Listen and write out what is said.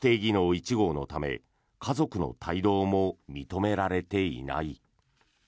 １号のため家族の帯同も認められていない。